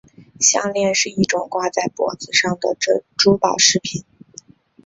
项链是一种挂在脖子上的珠宝饰品。